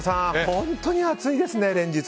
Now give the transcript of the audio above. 本当に暑いですね、連日。